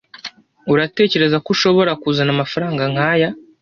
Uratekereza ko ushobora kuzana amafaranga nkaya